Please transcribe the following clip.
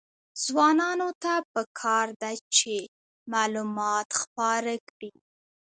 ځوانانو ته پکار ده چې، معلومات خپاره کړي.